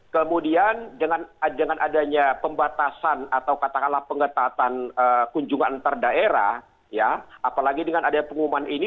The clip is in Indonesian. kemudian dengan adanya pembatasan atau katakanlah pengetatan kunjungan antar daerah ya apalagi dengan adanya pengumuman ini